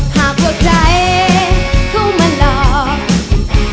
หากหัวใจเข้ามาหลอก